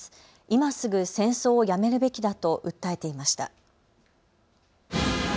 今すぐ戦争をやめるべきだと訴えていました。